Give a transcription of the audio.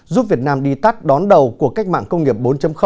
giúp việt nam đi tắt đón đầu của cách mạng công nghiệp bốn